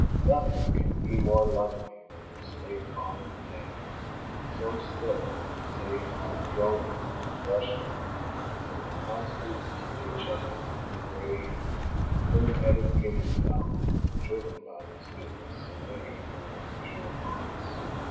Nothing can be more lovely than this late autumn day, so still, save for the droning of the thresher and the constant tinny chuckle of the grey, thin headed Guinea fowl, driven by this business away from their usual haunts.